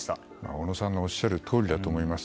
小野さんのおっしゃるとおりだと思います。